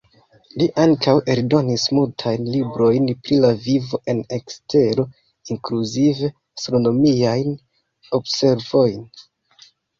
Li ankaŭ eldonis multajn librojn pri la vivo en ekstero, inkluzive astronomiajn observojn.